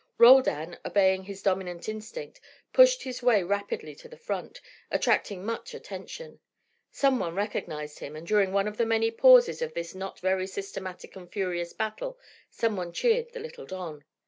Roldan, obeying his dominant instinct, pushed his way rapidly to the front, attracting much attention. Some one recognised him, and during one of the many pauses of this not very systematic and furious battle some one cheered the little don.